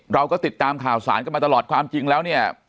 เราก็ติดตามข่าวสารกันมาตลอดความจริงแล้วเนี่ย